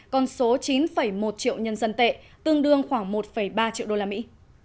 con số chín một triệu nhân dân tệ tương đương khoảng một ba triệu đô la mỹ